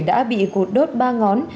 đã bị cột đốt ba ngón